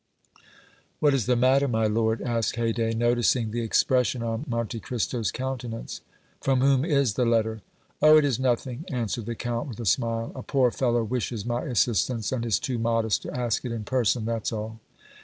"What is the matter, my lord?" asked Haydée, noticing the expression on Monte Cristo's countenance. "From whom is the letter?" "Oh! it is nothing," answered the Count, with a smile. "A poor fellow wishes my assistance, and is too modest to ask it in person; that's all!"